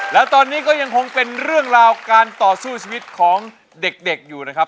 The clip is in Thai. แล้วตอนนี้ก็ยังคงเป็นเรื่องราวการต่อสู้ชีวิตของเด็กอยู่นะครับ